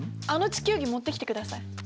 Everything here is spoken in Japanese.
あの地球儀持ってきてください！